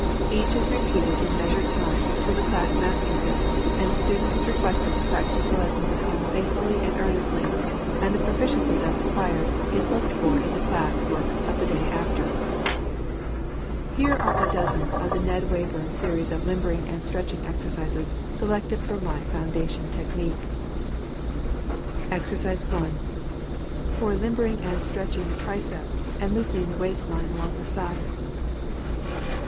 Each is repeated in measured time till the class masters it, and the student is requested to practice the lessons at home faithfully and earnestly, and the proficiency thus acquired is looked for in the class work of the day after. [Illustration: NW] Here are a dozen of the Ned Wayburn series of Limbering and Stretching exercises selected from my Foundation Technique: [Illustration: EXERCISE 1. _For limbering and stretching the triceps, and loosening the waist line along the sides.